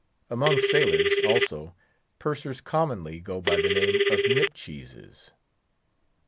Among sailors, also, Pursers commonly go by the name of nip cheeses.